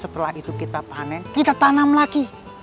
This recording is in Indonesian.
setelah itu kita panen kita tanam lagi